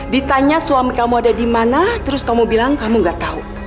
ditanya suami kamu ada di mana terus kamu bilang kamu gak tahu